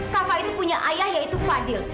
kava itu punya ayah yaitu fadil